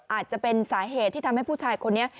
อาจจะเป็นสาเหตุที่ทำให้ผู้ชายคนนี้